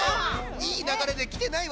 ⁉いいながれできてないわよモノマネ。